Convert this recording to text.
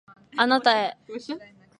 あなたへ